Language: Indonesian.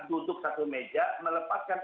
duduk satu meja melepaskan